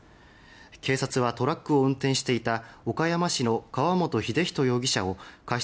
警察はトラックを運転していた岡山市の川本秀人容疑者を過失